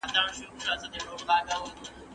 د ټولني بقا په عدالت پورې تړلې ده.